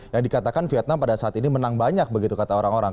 yang dikatakan vietnam pada saat ini menang banyak begitu kata orang orang